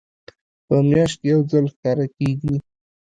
په میاشت کې یو ځل ښکاره کیږي.